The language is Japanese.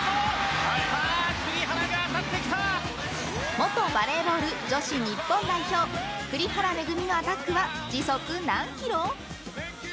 元バレーボール女子日本代表栗原恵さんのアタックは時速何キロ？